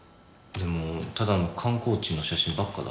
でもただの観光地の写真ばっかだね。